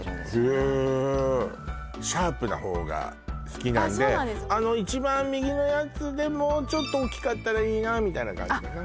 へえシャープな方が好きなんであの一番右のやつでもうちょっと大きかったらいいなみたいな感じかな